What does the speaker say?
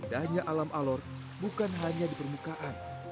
indahnya alam alor bukan hanya di permukaan